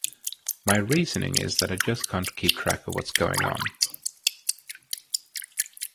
My reasoning is that I just can't keep track of what's going on.